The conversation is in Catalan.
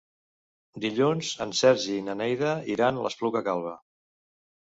Dilluns en Sergi i na Neida iran a l'Espluga Calba.